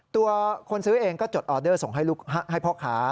ตัวคนซื้อเองก็จดออเดอร์ส่งให้พ่อค้า